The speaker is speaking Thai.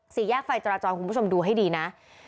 สีแยกไฟจราจรดูให้ดีนะ